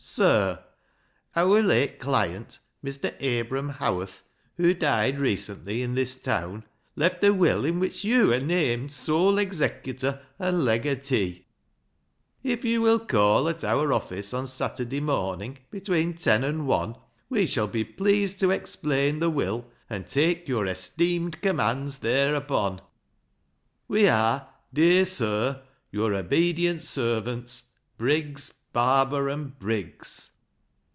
" Sir, — Our late client, Mr. Abram Howarth, who died recently in this town, left a will in which you are named sole executor and legatee. LIGE'S LEGACY 155 If you will call at our office on Saturday morn ing between ten and one, we shall be pleased to explain the will and take your esteemed com mands thereupon. " We are, dear Sir, your obedient servants, " Briggs, Barber, and Briggs."